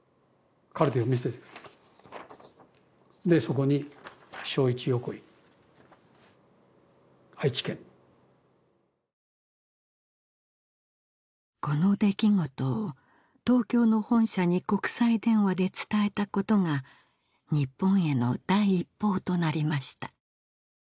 この出来事を東京の本社に国際電話で伝えたことが日本への第一報となりました